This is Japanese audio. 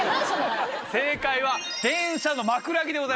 正解は電車の枕木でございます。